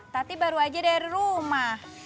tapi baru aja dari rumah